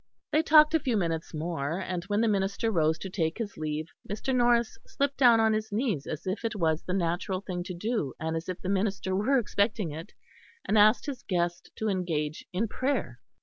They talked a few minutes more, and when the minister rose to take his leave, Mr. Norris slipped down on his knees as if it was the natural thing to do and as if the minister were expecting it; and asked his guest to engage in prayer.